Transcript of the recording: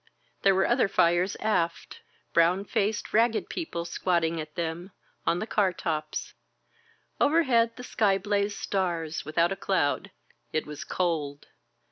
•.. There were other fires aft, brown faced, ragged people squatting at them, on the car tops. Overhead the sky blazed stars, without a cloud. It was cold.